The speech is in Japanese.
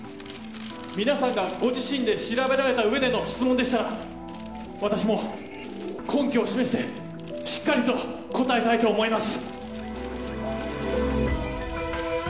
皆さんがご自身で調べられた上での質問でしたら私も根拠を示してしっかりと答えたいと思います。